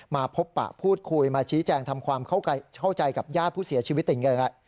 มาพบปะพูดคุยมาชี้แจงทำความเข้าใจกับญาติผู้เสียชีวิตอย่างนี้นะครับ